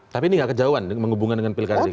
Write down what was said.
tapi ini nggak kejauhan menghubungkan dengan pilkada dki